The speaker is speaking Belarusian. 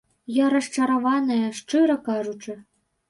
Я расчараваная, шчыра кажучы.